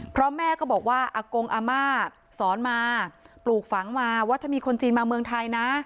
เพราะแม่ก็บอกว่าอากงอาม่าสอนมาปลูกฝังมาว่าถ้ามีคนจีนมาเมืองไทยนะ